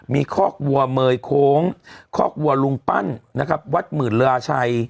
มีคอกวัวเมยโค้งคอกวัวลุงปั้นนะครับวัดหมื่นลาชัย